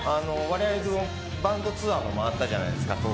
われわれとバンドツアーも回ったじゃないですか。